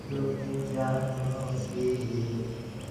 সেজন্যই তো আমি সবসময় বলি ওরা বাঁদর।